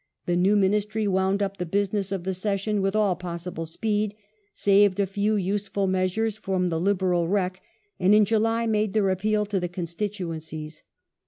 The new General Ministry wound up the business of the Session with all possible ^f^^^^J^ speed, saved a few useful measures from the Liberal wreck, and in July made their appeal to the constituencies.